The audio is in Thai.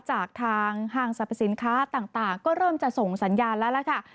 จากทางห้างสรรพสินค้าต่างก็เริ่มจะส่งสัญญาณแล้วล่ะค่ะ